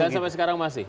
dan sampai sekarang masih